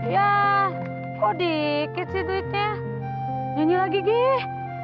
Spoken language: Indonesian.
ya kok dikit sih duitnya nyanyi lagi gih